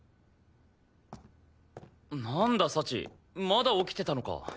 なんだ幸まだ起きてたのか？